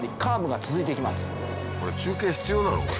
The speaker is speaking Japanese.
これ中継必要なの？